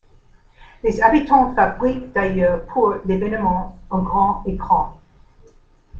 Les habitants fabriquent d'ailleurs pour l'événement un grand écran.